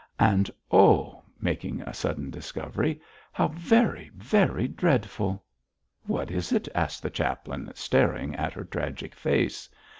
And, oh!' making a sudden discovery, 'how very, very dreadful!' 'What is it?' asked the chaplain, staring at her tragic face.